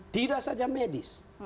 tidak saja medis